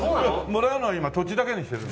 もらうのは今土地だけにしてる。